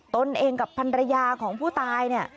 ตนเองกับพันรยาของผู้ตายเนี่ย